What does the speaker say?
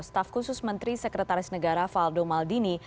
staf khusus menteri sekretaris negara valdo maldini